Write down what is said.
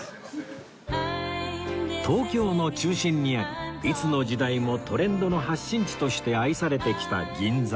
東京の中心にありいつの時代もトレンドの発信地として愛されてきた銀座